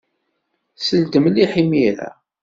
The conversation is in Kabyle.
Sel-d mliḥ imir-a.